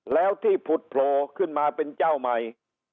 แล้วที่ผุดโผล่ขึ้นมาเป็นเจ้าใหม่